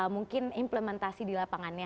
mungkin implementasi di lapangannya